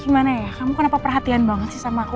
gimana ya kamu kenapa perhatian banget sih sama aku